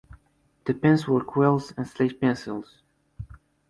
The pens were quills and slate pencils.